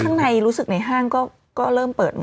ข้างในรู้สึกในห้างก็เริ่มเปิดหมด